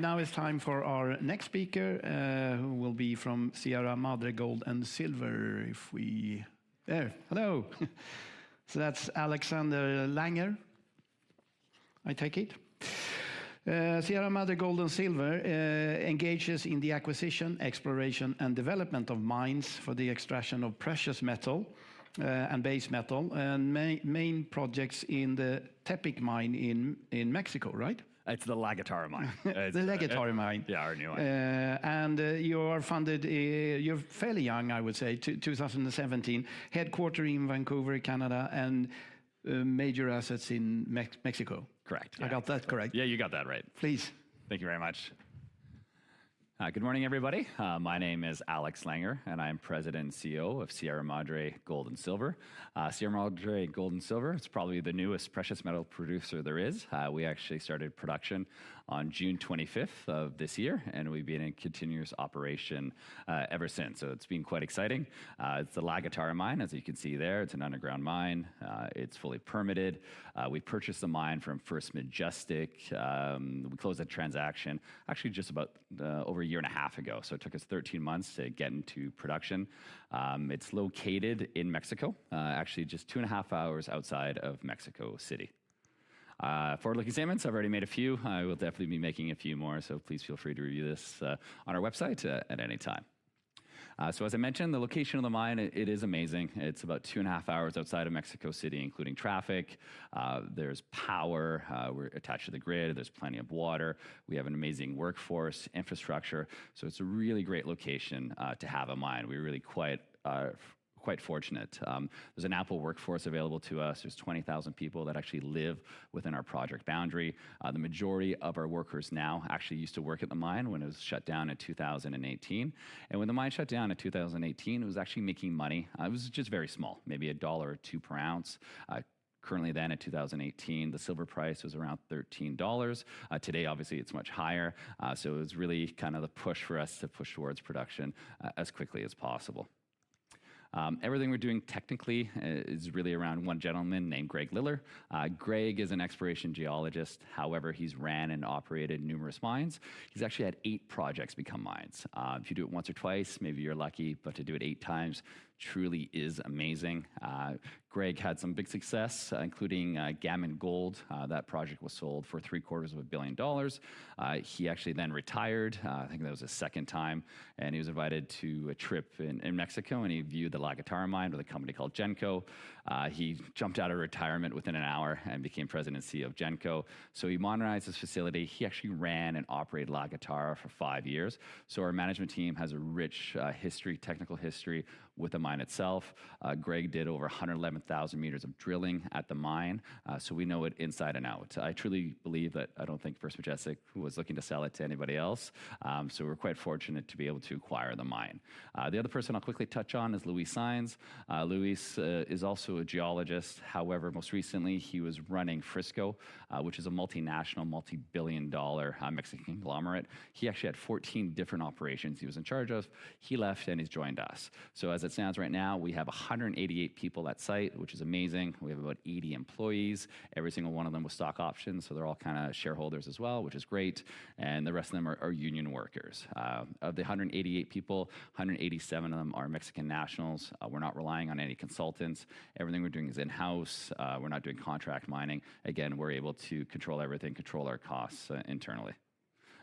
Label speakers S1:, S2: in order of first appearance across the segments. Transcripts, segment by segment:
S1: Now it's time for our next speaker, who will be from Sierra Madre Gold and Silver. There! Hello! So that's Alexander Langer, I take it. Sierra Madre Gold and Silver engages in the acquisition, exploration, and development of mines for the extraction of precious metal and base metal, and main projects in the Tepic mine in Mexico, right?
S2: It's the La Guitarra mine.
S1: The La Guitarra mine.
S2: Yeah, our new one.
S1: You are funded—you're fairly young, I would say, 2017, headquartered in Vancouver, Canada, and major assets in Mexico.
S2: Correct.
S1: I got that correct?
S2: Yeah, you got that right.
S1: Please.
S2: Thank you very much. Good morning, everybody. My name is Alex Langer, and I am President and CEO of Sierra Madre Gold and Silver. Sierra Madre Gold and Silver, it's probably the newest precious metal producer there is. We actually started production on June 25th of this year, and we've been in continuous operation ever since. So it's been quite exciting. It's the La Guitarra mine, as you can see there. It's an underground mine. It's fully permitted. We purchased the mine from First Majestic. We closed that transaction actually just about over a year and a half ago. So it took us 13 months to get into production. It's located in Mexico, actually just two and a half hours outside of Mexico City. Forward-looking statements, I've already made a few. I will definitely be making a few more, so please feel free to review this on our website at any time. So, as I mentioned, the location of the mine, it is amazing. It's about two and a half hours outside of Mexico City, including traffic. There's power. We're attached to the grid. There's plenty of water. We have an amazing workforce infrastructure. So it's a really great location to have a mine. We're really quite fortunate. There's an ample workforce available to us. There's 20,000 people that actually live within our project boundary. The majority of our workers now actually used to work at the mine when it was shut down in 2018. And when the mine shut down in 2018, it was actually making money. It was just very small, maybe a dollar or two per ounce. Currently, then, in 2018, the silver price was around $13. Today, obviously, it's much higher. So it was really kind of the push for us to push towards production as quickly as possible. Everything we're doing technically is really around one gentleman named Greg Liller. Greg is an exploration geologist. However, he's ran and operated numerous mines. He's actually had eight projects become mines. If you do it once or twice, maybe you're lucky. But to do it eight times truly is amazing. Greg had some big success, including Gammon Gold. That project was sold for $750 million. He actually then retired. I think that was his second time. And he was invited to a trip in Mexico, and he viewed the La Guitarra mine with a company called Genco. He jumped out of retirement within an hour and became President and CEO of Genco. So he modernized this facility. He actually ran and operated La Guitarra for five years. So our management team has a rich history, technical history with the mine itself. Greg did over 111,000 meters of drilling at the mine. So we know it inside and out. I truly believe that I don't think First Majestic was looking to sell it to anybody else. So we're quite fortunate to be able to acquire the mine. The other person I'll quickly touch on is Luis Saenz. Luis is also a geologist. However, most recently, he was running Frisco, which is a multinational, multi-billion dollar Mexican conglomerate. He actually had 14 different operations he was in charge of. He left and he's joined us. So, as it stands right now, we have 188 people at site, which is amazing. We have about 80 employees. Every single one of them with stock options. So they're all kind of shareholders as well, which is great. And the rest of them are union workers. Of the 188 people, 187 of them are Mexican nationals. We're not relying on any consultants. Everything we're doing is in-house. We're not doing contract mining. Again, we're able to control everything, control our costs internally.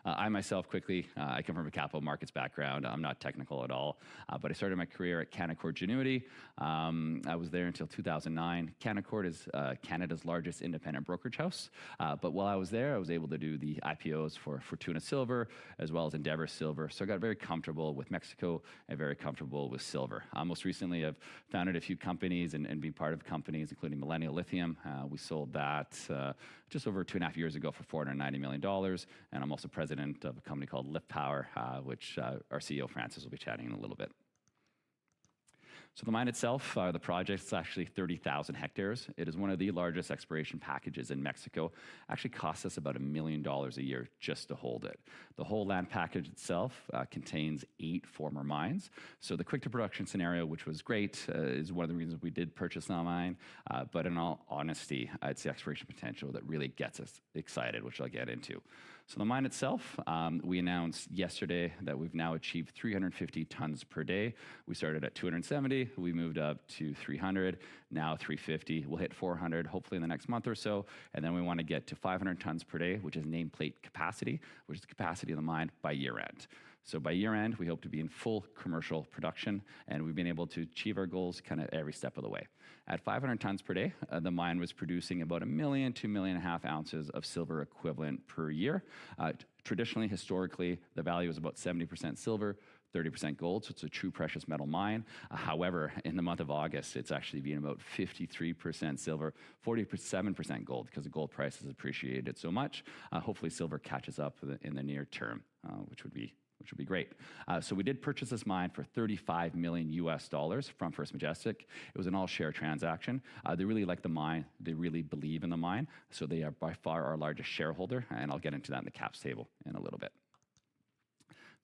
S2: I myself, quickly, I come from a capital markets background. I'm not technical at all. But I started my career at Canaccord Genuity. I was there until 2009. Canaccord is Canada's largest independent brokerage house. But while I was there, I was able to do the IPOs for Fortuna Silver, as well as Endeavour Silver. So I got very comfortable with Mexico and very comfortable with silver. Most recently, I've founded a few companies and been part of companies, including Millennial Lithium. We sold that just over two and a half years ago for $490 million, and I'm also President of a company called Li-FT Power, which our CEO, Francis, will be chatting in a little bit. The mine itself, the project is actually 30,000 hectares. It is one of the largest exploration packages in Mexico. It actually costs us about $1 million a year just to hold it. The whole land package itself contains eight former mines. The quick-to-production scenario, which was great, is one of the reasons we did purchase the mine, but in all honesty, it's the exploration potential that really gets us excited, which I'll get into. The mine itself, we announced yesterday that we've now achieved 350 tons per day. We started at 270. We moved up to 300, now 350. We'll hit 400 hopefully in the next month or so. And then we want to get to 500 tons per day, which is nameplate capacity, which is the capacity of the mine by year-end. So by year-end, we hope to be in full commercial production. And we've been able to achieve our goals kind of every step of the way. At 500 tons per day, the mine was producing about a million, two million and a half ounces of silver equivalent per year. Traditionally, historically, the value was about 70% silver, 30% gold. So it's a true precious metal mine. However, in the month of August, it's actually been about 53% silver, 47% gold, because the gold price has appreciated so much. Hopefully, silver catches up in the near term, which would be great. So we did purchase this mine for $35 million from First Majestic. It was an all-share transaction. They really like the mine. They really believe in the mine. So they are by far our largest shareholder. And I'll get into that in the cap table in a little bit.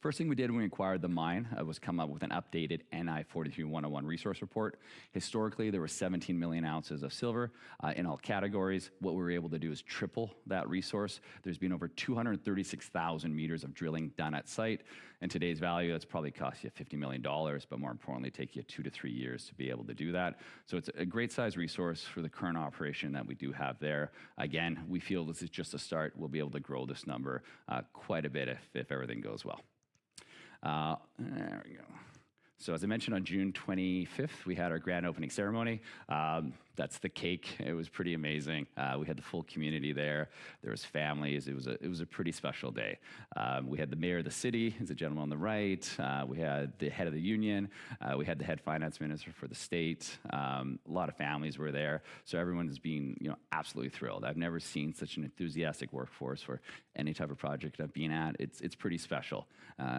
S2: First thing we did when we acquired the mine was come up with an updated NI 43-101 resource report. Historically, there were 17 million ounces of silver in all categories. What we were able to do is triple that resource. There's been over 236,000 meters of drilling done at site. In today's value, that's probably cost you $50 million, but more importantly, take you two to three years to be able to do that. So it's a great size resource for the current operation that we do have there. Again, we feel this is just a start. We'll be able to grow this number quite a bit if everything goes well. There we go. As I mentioned, on June 25th, we had our grand opening ceremony. That's the cake. It was pretty amazing. We had the full community there. There were families. It was a pretty special day. We had the mayor of the city. He's a gentleman on the right. We had the head of the union. We had the head finance minister for the state. A lot of families were there. So everyone has been absolutely thrilled. I've never seen such an enthusiastic workforce for any type of project I've been at. It's pretty special.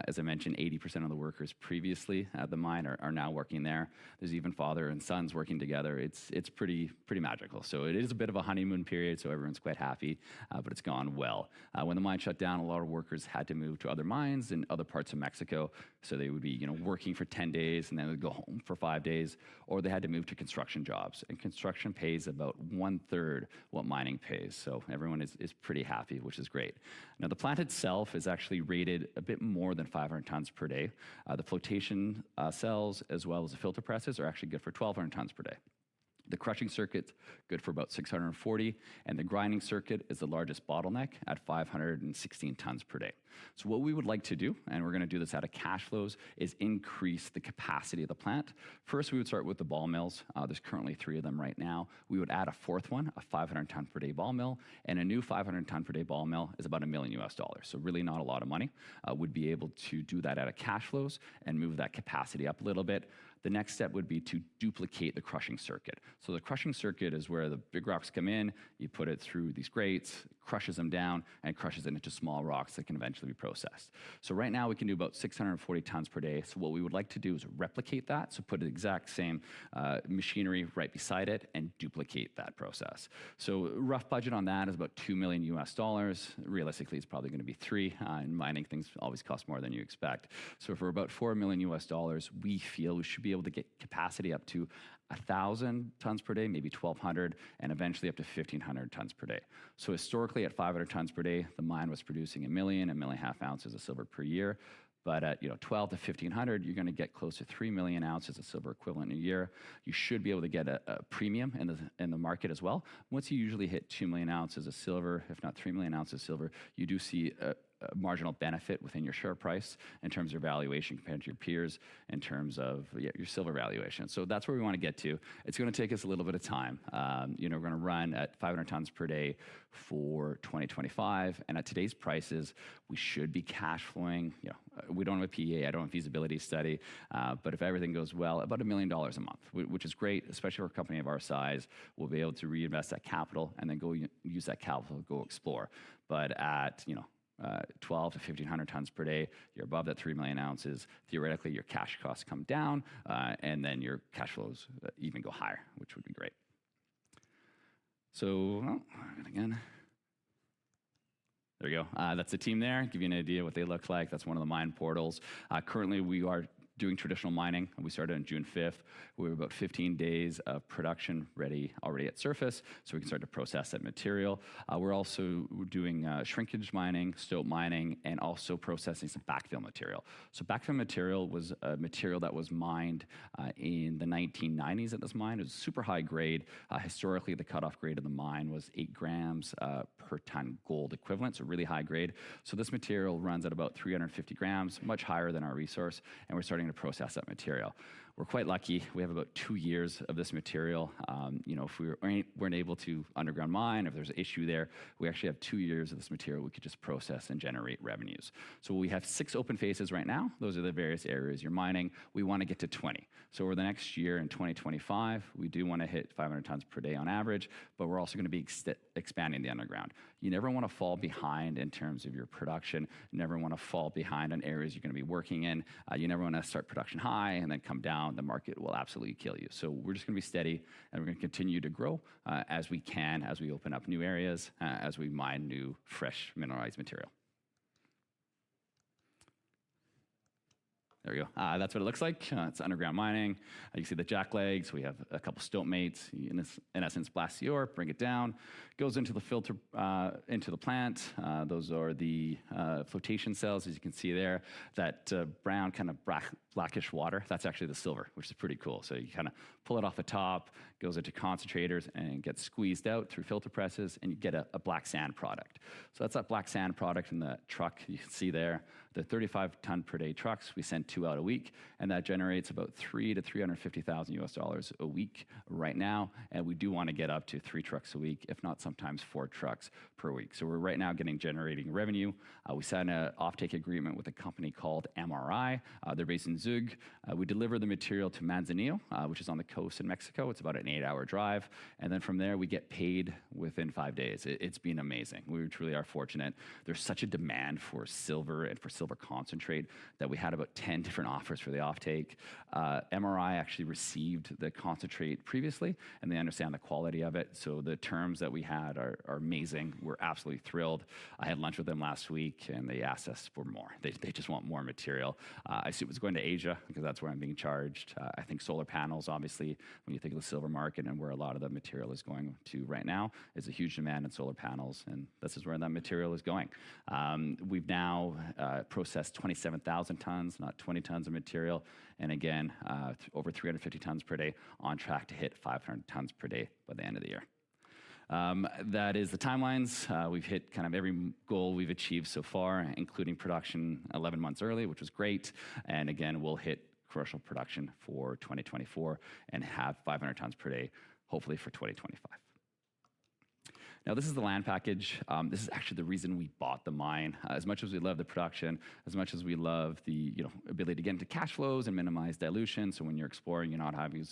S2: As I mentioned, 80% of the workers previously at the mine are now working there. There's even father and sons working together. It's pretty magical. So it is a bit of a honeymoon period. So everyone's quite happy, but it's gone well. When the mine shut down, a lot of workers had to move to other mines in other parts of Mexico. So they would be working for 10 days, and then they'd go home for five days, or they had to move to construction jobs. And construction pays about one-third what mining pays. So everyone is pretty happy, which is great. Now, the plant itself is actually rated a bit more than 500 tons per day. The flotation cells, as well as the filter presses, are actually good for 1,200 tons per day. The crushing circuit's good for about 640. And the grinding circuit is the largest bottleneck at 516 tons per day. So what we would like to do, and we're going to do this out of cash flows, is increase the capacity of the plant. First, we would start with the ball mills. There's currently three of them right now. We would add a fourth one, a 500-ton-per-day ball mill. And a new 500-ton-per-day ball mill is about $1 million. So really not a lot of money. We'd be able to do that out of cash flows and move that capacity up a little bit. The next step would be to duplicate the crushing circuit. So the crushing circuit is where the big rocks come in. You put it through these grates, crushes them down, and crushes them into small rocks that can eventually be processed. So right now, we can do about 640 tons per day. So what we would like to do is replicate that. So put the exact same machinery right beside it and duplicate that process. So rough budget on that is about $2 million. Realistically, it's probably going to be three. Mining things always cost more than you expect. For about $4 million USD, we feel we should be able to get capacity up to 1,000 tons per day, maybe 1,200, and eventually up to 1,500 tons per day. Historically, at 500 tons per day, the mine was producing a million and a million and a half ounces of silver per year. But at 1,200 to 1,500, you're going to get close to 3 million ounces of silver equivalent a year. You should be able to get a premium in the market as well. Once you usually hit 2 million ounces of silver, if not 3 million ounces of silver, you do see a marginal benefit within your share price in terms of your valuation compared to your peers in terms of your silver valuation. That's where we want to get to. It's going to take us a little bit of time. We're going to run at 500 tons per day for 2025, and at today's prices, we should be cash flowing. We don't have a PA. I don't have a feasibility study, but if everything goes well, about $1 million a month, which is great, especially for a company of our size, we'll be able to reinvest that capital and then use that capital to go explore, but at 1,200-1,500 tons per day, you're above that 3 million ounces. Theoretically, your cash costs come down, and then your cash flows even go higher, which would be great, so again. There we go. That's the team there. Give you an idea of what they look like. That's one of the mine portals. Currently, we are doing traditional mining. We started on June 5th. We were about 15 days of production ready already at surface. So we can start to process that material. We're also doing shrinkage mining, stilt mining, and also processing some backfill material. So backfill material was a material that was mined in the 1990s at this mine. It was super high grade. Historically, the cutoff grade of the mine was eight grams per ton gold equivalent. So really high grade. So this material runs at about 350 grams, much higher than our resource. And we're starting to process that material. We're quite lucky. We have about two years of this material. If we weren't able to underground mine, if there's an issue there, we actually have two years of this material we could just process and generate revenues. So we have six open phases right now. Those are the various areas you're mining. We want to get to 20. So over the next year in 2025, we do want to hit 500 tons per day on average. But we're also going to be expanding the underground. You never want to fall behind in terms of your production. You never want to fall behind on areas you're going to be working in. You never want to start production high and then come down. The market will absolutely kill you. So we're just going to be steady, and we're going to continue to grow as we can, as we open up new areas, as we mine new fresh mineralized material. There we go. That's what it looks like. It's underground mining. You see the jacklegs. We have a couple of StopeMates. In essence, blast the ore, bring it down. Goes into the plant. Those are the flotation cells, as you can see there. That brown kind of blackish water, that's actually the silver, which is pretty cool. So you kind of pull it off the top, goes into concentrators, and gets squeezed out through filter presses, and you get a black sand product. So that's that black sand product in the truck you can see there. The 35-ton-per-day trucks, we send two out a week. And that generates about $3,000-$350,000 a week right now. And we do want to get up to three trucks a week, if not sometimes four trucks per week. So we're right now generating revenue. We signed an offtake agreement with a company called MRI. They're based in Zug. We deliver the material to Manzanillo, which is on the coast in Mexico. It's about an eight-hour drive. And then from there, we get paid within five days. It's been amazing. We truly are fortunate. There's such a demand for silver and for silver concentrate that we had about 10 different offers for the offtake. MRI actually received the concentrate previously, and they understand the quality of it. So the terms that we had are amazing. We're absolutely thrilled. I had lunch with them last week, and they asked us for more. They just want more material. I assume it's going to Asia because that's where I'm being charged. I think solar panels, obviously, when you think of the silver market and where a lot of the material is going to right now, there's a huge demand in solar panels, and this is where that material is going. We've now processed 27,000 tons, not 20 tons of material, and again, over 350 tons per day on track to hit 500 tons per day by the end of the year. That is the timelines. We've hit kind of every goal we've achieved so far, including production 11 months early, which was great, and again, we'll hit commercial production for 2024 and have 500 tons per day, hopefully for 2025. Now, this is the land package. This is actually the reason we bought the mine. As much as we love the production, as much as we love the ability to get into cash flows and minimize dilution, so when you're exploring, you're not having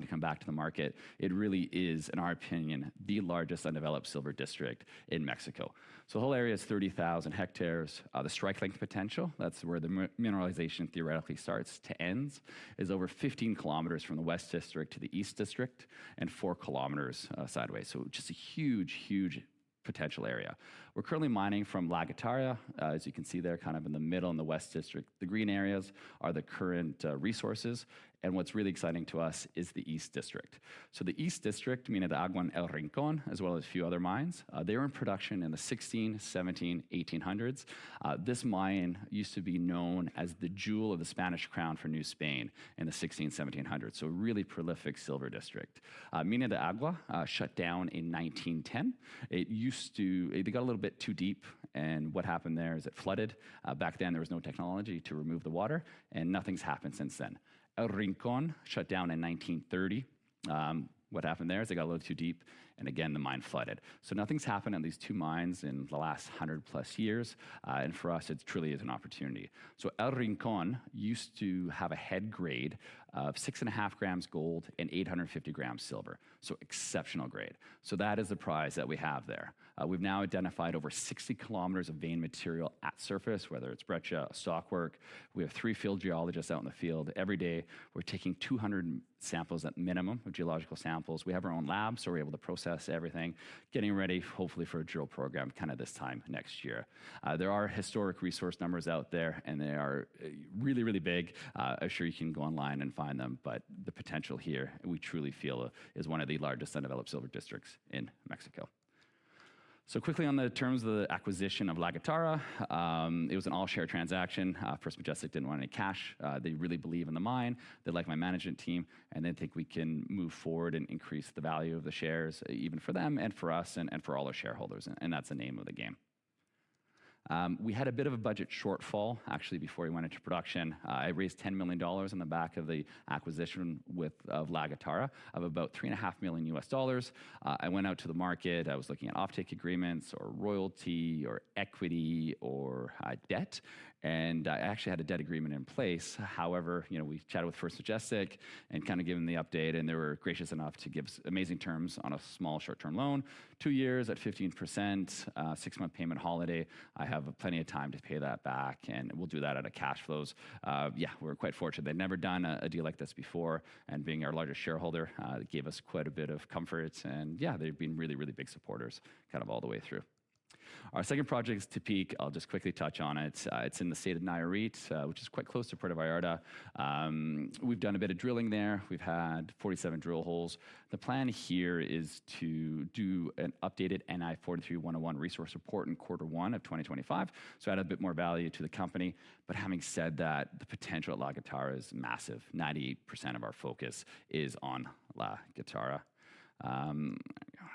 S2: to come back to the market, it really is, in our opinion, the largest undeveloped silver district in Mexico. So the whole area is 30,000 hectares. The strike length potential, that's where the mineralization theoretically starts to end, is over 15 km from the West District to the East District and 4 km sideways, so just a huge, huge potential area. We're currently mining from La Guitarra, as you can see there, kind of in the middle in the West District. The green areas are the current resources. And what's really exciting to us is the East District. So the East District, Minas de Agua and El Rincón, as well as a few other mines, they were in production in the 1600s, 1700s, 1800s. This mine used to be known as the jewel of the Spanish crown for New Spain in the 1600s, 1700s. So a really prolific silver district. Minas de Agua shut down in 1910. It got a little bit too deep. And what happened there is it flooded. Back then, there was no technology to remove the water. And nothing's happened since then. El Rincón shut down in 1930. What happened there is it got a little too deep. And again, the mine flooded. Nothing's happened in these two mines in the last 100-plus years. For us, it truly is an opportunity. El Rincón used to have a head grade of 6.5 grams gold and 850 grams silver. Exceptional grade. That is the prize that we have there. We've now identified over 60 kilometers of vein material at surface, whether it's breccia or stockwork. We have three field geologists out in the field. Every day, we're taking 200 samples at minimum of geological samples. We have our own labs, so we're able to process everything, getting ready, hopefully, for a drill program kind of this time next year. There are historic resource numbers out there, and they are really, really big. I'm sure you can go online and find them. The potential here, we truly feel, is one of the largest undeveloped silver districts in Mexico. So quickly on the terms of the acquisition of La Guitarra. It was an all-share transaction. First Majestic didn't want any cash. They really believe in the mine. They like my management team. And that's the name of the game. We had a bit of a budget shortfall, actually, before we went into production. I raised 10 million dollars on the back of the acquisition of La Guitarra of about $3.5 million US dollars. I went out to the market. I was looking at offtake agreements or royalty or equity or debt. And I actually had a debt agreement in place. However, we chatted with First Majestic and kind of gave them the update. They were gracious enough to give us amazing terms on a small short-term loan, two years at 15%, six-month payment holiday. I have plenty of time to pay that back. We'll do that out of cash flows. Yeah, we're quite fortunate. They've never done a deal like this before. Being our largest shareholder, it gave us quite a bit of comfort. Yeah, they've been really, really big supporters kind of all the way through. Our second project is Tepic. I'll just quickly touch on it. It's in the state of Nayarit, which is quite close to Puerto Vallarta. We've done a bit of drilling there. We've had 47 drill holes. The plan here is to do an updated NI 43-101 resource report in quarter one of 2025, so add a bit more value to the company. But having said that, the potential at La Guitarra is massive. 90% of our focus is on La Guitarra. I'll get through.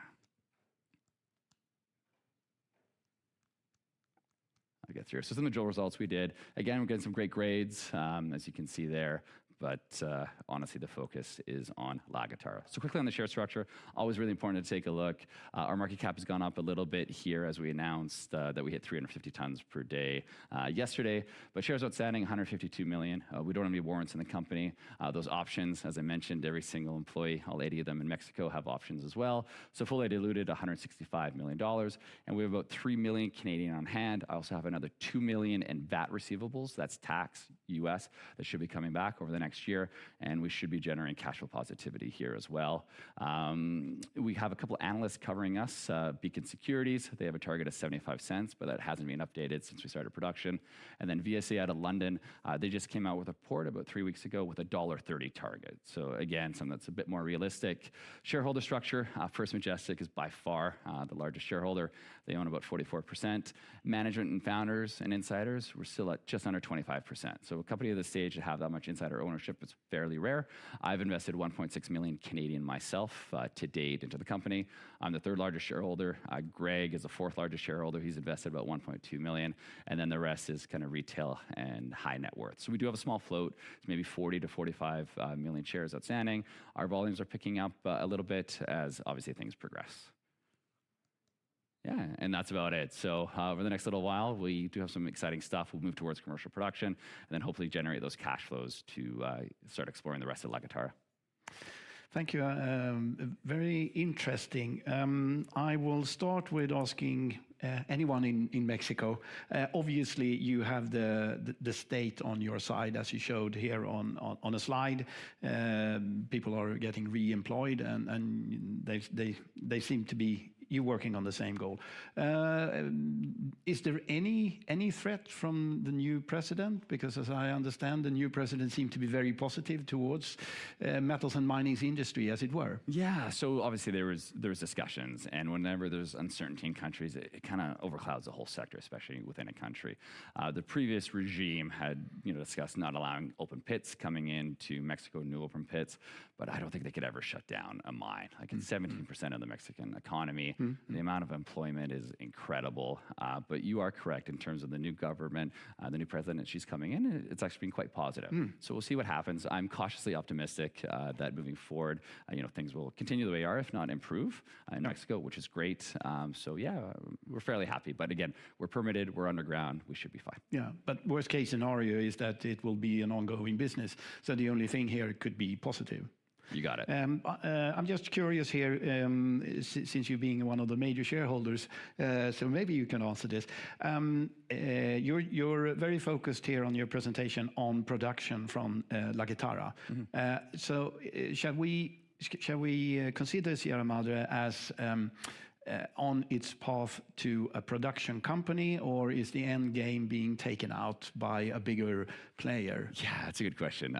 S2: So some of the drill results we did. Again, we're getting some great grades, as you can see there. But honestly, the focus is on La Guitarra. So quickly on the share structure, always really important to take a look. Our market cap has gone up a little bit here as we announced that we hit 350 tons per day yesterday. But shares outstanding, 152 million. We don't have any warrants in the company. Those options, as I mentioned, every single employee, all 80 of them in Mexico, have options as well. So fully diluted, 165 million dollars. And we have about 3 million on hand. I also have another 2 million in VAT receivables. That's tax US that should be coming back over the next year. We should be generating cash flow positivity here as well. We have a couple of analysts covering us, Beacon Securities. They have a target of 0.75, but that hasn't been updated since we started production. And then VSA out of London, they just came out with a report about three weeks ago with a dollar 1.30 target. So again, something that's a bit more realistic. Shareholder structure, First Majestic is by far the largest shareholder. They own about 44%. Management and founders and insiders, we're still at just under 25%. So a company at this stage to have that much insider ownership is fairly rare. I've invested 1.6 million Canadian myself to date into the company. I'm the third largest shareholder. Greg is the fourth largest shareholder. He's invested about 1.2 million. And then the rest is kind of retail and high net worth. So we do have a small float. It's maybe 40-45 million shares outstanding. Our volumes are picking up a little bit as obviously things progress. Yeah, and that's about it. So over the next little while, we do have some exciting stuff. We'll move towards commercial production and then hopefully generate those cash flows to start exploring the rest of La Guitarra.
S1: Thank you. Very interesting. I will start with asking anyone in Mexico. Obviously, you have the state on your side, as you showed here on a slide. People are getting reemployed, and they seem to be working on the same goal. Is there any threat from the new president? Because as I understand, the new president seemed to be very positive towards the metals and mining industry, as it were. Yeah, so obviously there were discussions. And whenever there's uncertainty in countries, it kind of overclouds the whole sector, especially within a country. The previous regime had discussed not allowing open pits coming into Mexico, new open pits. But I don't think they could ever shut down a mine. Like it's 17% of the Mexican economy. The amount of employment is incredible. But you are correct in terms of the new government, the new president she's coming in. It's actually been quite positive. So we'll see what happens. I'm cautiously optimistic that moving forward, things will continue the way they are, if not improve in Mexico, which is great. So yeah, we're fairly happy. But again, we're permitted, we're underground, we should be fine. Yeah, but worst case scenario is that it will be an ongoing business. So the only thing here could be positive.
S2: You got it.
S1: I'm just curious here, since you've been one of the major shareholders, so maybe you can answer this. You're very focused here on your presentation on production from La Guitarra. So shall we consider Sierra Madre on its path to a production company, or is the end game being taken out by a bigger player?
S2: Yeah, that's a good question.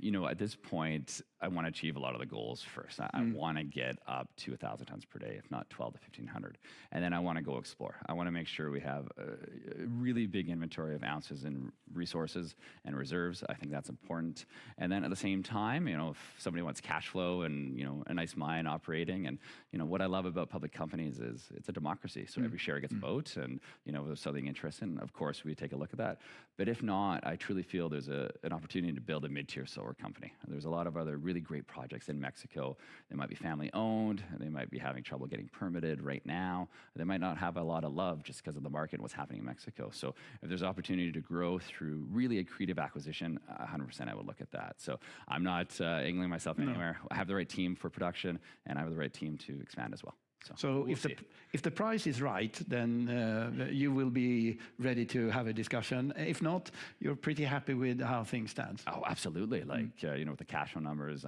S2: You know, at this point, I want to achieve a lot of the goals first. I want to get up to 1,000 tons per day, if not 1,200-1,500. And then I want to go explore. I want to make sure we have a really big inventory of ounces and resources and reserves. I think that's important. And then at the same time, if somebody wants cash flow and a nice mine operating. And what I love about public companies is it's a democracy. So every share gets a vote. And there's southern interests. And of course, we take a look at that. But if not, I truly feel there's an opportunity to build a mid-tier solar company. There's a lot of other really great projects in Mexico. They might be family-owned. They might be having trouble getting permitted right now. They might not have a lot of love just because of the market and what's happening in Mexico. So if there's an opportunity to grow through really a creative acquisition, 100%, I would look at that. So I'm not angling myself anywhere. I have the right team for production, and I have the right team to expand as well.
S1: So if the price is right, then you will be ready to have a discussion. If not, you're pretty happy with how things stand.
S2: Oh, absolutely. Like with the cash flow numbers,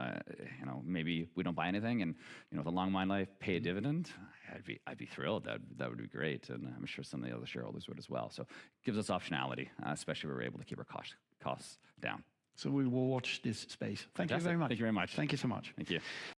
S2: maybe we don't buy anything. And if the long mine life pays a dividend, I'd be thrilled. That would be great. And I'm sure some of the other shareholders would as well. So it gives us optionality, especially if we're able to keep our costs down.
S1: So we will watch this space. Thank you very much.
S2: Thank you very much.
S1: Thank you so much.
S2: Thank you.